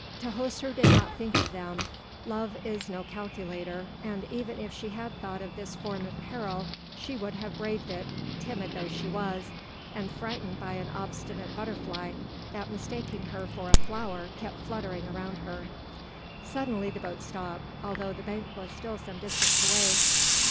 Tahoser did not think of them; love is no calculator, and even if she had thought of this form of peril, she would have braved it, timid though she was, and frightened by an obstinate butterfly that mistaking her for a flower kept fluttering around her. Suddenly the boat stopped, although the bank was still some distance away.